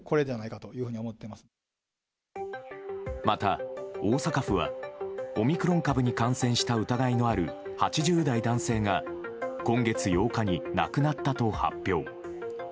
また、大阪府はオミクロン株に感染した疑いのある８０代男性が今月８日に亡くなったと発表。